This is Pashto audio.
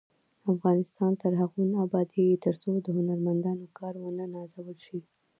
افغانستان تر هغو نه ابادیږي، ترڅو د هنرمندانو کار ونه نازول شي.